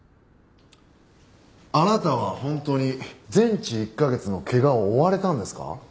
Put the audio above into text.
あなたは本当に全治１カ月の怪我を負われたんですか？